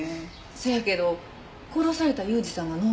せやけど殺された裕二さんが飲んだ薬。